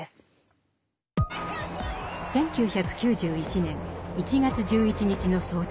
１９９１年１月１１日の早朝。